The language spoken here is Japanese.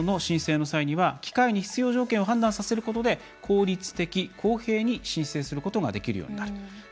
生活保護の判断の際には機械に必要条件を判断させることで効率的、公平に申請することができるようになる。